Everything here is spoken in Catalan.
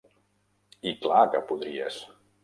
I clar que podries.